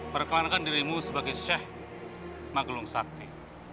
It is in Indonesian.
perklarakan dirimu sebagai seh magelung sakti